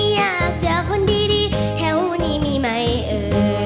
อยากเจอคนดีแถวนี้มีไหมเอ่ย